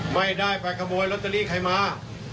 ไม่ได้ไปขโมยลอตเตอรี่ใครมา